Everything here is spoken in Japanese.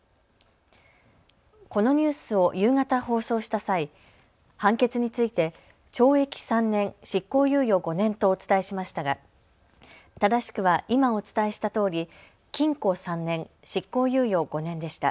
このニュースを夕方放送した際、判決について懲役３年、執行猶予５年とお伝えしましたが正しくは今お伝えしたとおり禁錮３年、執行猶予５年でした。